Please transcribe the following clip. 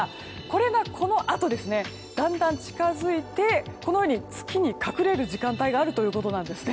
これがこのあとだんだん近づいて、このように月に隠れる時間帯があるということです。